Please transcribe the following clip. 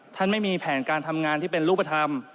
ไม่มีแผนการทำงานที่เป็นรูปธรรม